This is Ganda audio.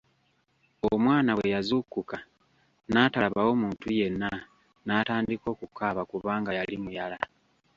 Omwana bwe yazuukuka, n'atalabawo muntu yenna, n'atandika okukaaba kubanga yali muyala.